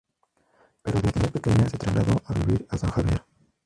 Pero desde muy pequeña se trasladó a vivir a San Javier.